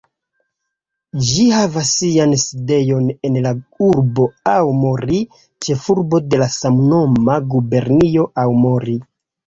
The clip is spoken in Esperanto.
Ĝi havas sian sidejon en la urbo Aomori, ĉefurbo de la samnoma gubernio Aomori.